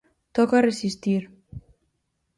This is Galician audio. Toca resistir.